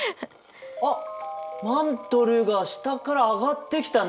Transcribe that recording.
あっマントルが下から上がってきたね。